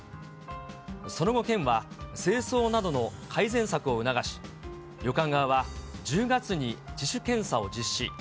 その後、県は清掃などの改善策を促し、旅館側は１０月に自主検査を実施。